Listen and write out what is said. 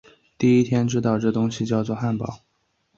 第一天知道这东西叫作汉堡